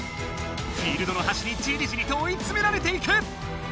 フィールドのはしにじりじりと追いつめられていく。